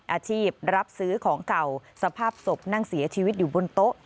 อาชีพรับซื้อของเก่าสภาพศพนั่งเสียชีวิตอยู่บนโต๊ะ